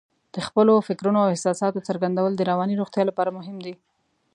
د خپلو فکرونو او احساساتو څرګندول د رواني روغتیا لپاره مهم دي.